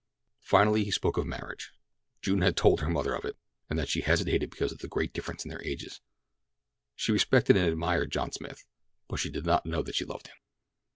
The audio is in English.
Finally he spoke of marriage. June had told her mother of it, and that she hesitated because of the great difference in their ages—she respected and admired John Smith, but she did not know that she loved him.